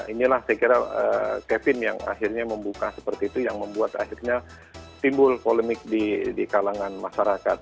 inilah saya kira kevin yang akhirnya membuka seperti itu yang membuat akhirnya timbul polemik di kalangan masyarakat